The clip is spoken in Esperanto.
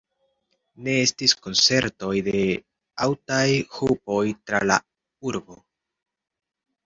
Ne estis koncertoj de aŭtaj hupoj tra la urbo.